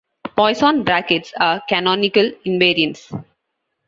"Poisson brackets are canonical invariants".